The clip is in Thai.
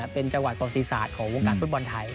เป็นจังหวัดปฏิสารของวงการฟุตบอลไทย